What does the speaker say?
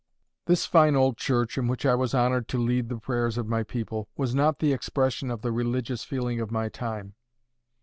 This fine old church in which I was honoured to lead the prayers of my people, was not the expression of the religious feeling of my time.